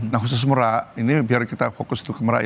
nah khusus merak ini biar kita fokus untuk ke merak